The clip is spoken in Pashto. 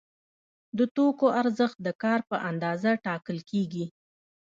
د توکو ارزښت د کار په اندازه ټاکل کیږي.